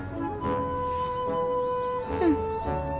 うん。